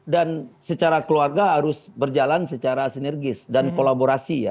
dan secara keluarga harus berjalan secara sinergis dan kolaborasi ya